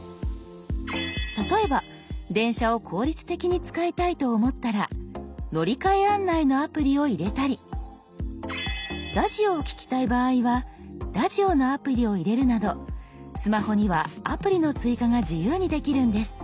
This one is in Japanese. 例えば電車を効率的に使いたいと思ったら乗換案内のアプリを入れたりラジオを聞きたい場合はラジオのアプリを入れるなどスマホにはアプリの追加が自由にできるんです。